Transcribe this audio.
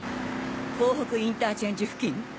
港北インターチェンジ付近？